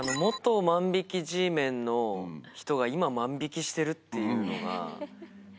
万引きＧメンの人が今万引きしてるっていうのが。